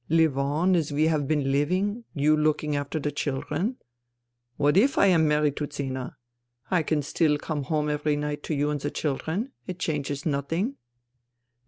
* Live on as we have been living, you looking after the children. What if I am married to Zina ? I can still come home every night to you and the children. It changes nothing.'